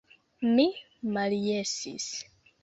Mi maljesis.